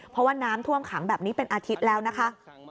เพราะว่าน้ำท่วมขังแบบนี้เป็นอาทิตย์แล้วนะคะ